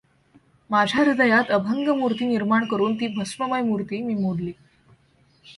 माझ्या हृदयात अभंग मूर्ती निर्माण करून ती भस्ममय मूर्ती मी मोडली.